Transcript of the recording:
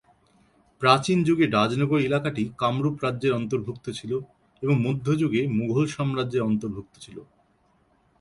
প্রাচীন যুগে রাজনগর এলাকাটি কামরূপ রাজ্যের অন্তর্ভুক্ত ছিলো, এবং মধ্যযুগে মোঘল সাম্রাজ্যের অন্তর্ভুক্ত ছিলো।